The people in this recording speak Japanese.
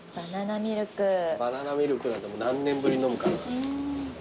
バナナミルクなんか何年ぶりに飲むかな。